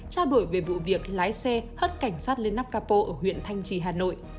trao đổi về vụ việc lái xe hất cảnh sát lên nắp capo ở huyện thanh trì hà nội